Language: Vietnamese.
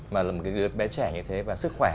mà một cái bé trẻ như thế và sức khỏe